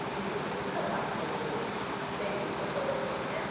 ずっと巻いているっていうところですね。